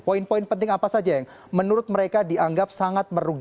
poin poin penting apa saja yang menurut mereka dianggap sangat merugikan